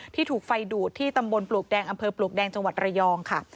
ถูกไฟดูดที่ตำบลปลวกแดงอำเภอปลวกแดงจังหวัดระยองค่ะ